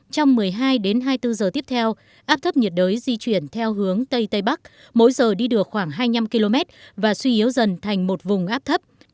trong một mươi hai đến hai mươi bốn giờ tiếp theo áp thấp nhiệt đới di chuyển theo hướng tây tây bắc mỗi giờ đi được khoảng hai mươi năm km và suy yếu dần thành một vùng áp thấp